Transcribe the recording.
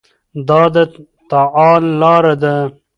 دا د تعادل لاره ده.